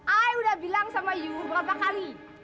ayah udah bilang sama you berapa kali